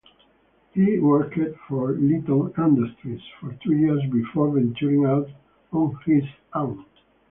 He worked for Litton Industries for two years before venturing out on his own.